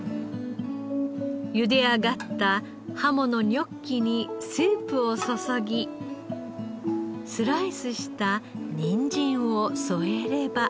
ゆで上がったハモのニョッキにスープを注ぎスライスしたニンジンを添えれば。